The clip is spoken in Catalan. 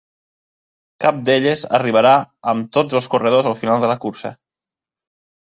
Cap d'elles arribarà amb tots els corredors al final de la cursa.